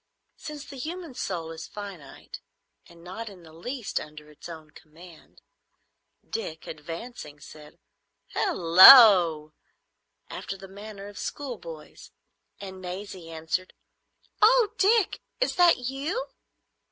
Since the human soul is finite and not in the least under its own command, Dick, advancing, said "Halloo!" after the manner of schoolboys, and Maisie answered, "Oh, Dick, is that you?"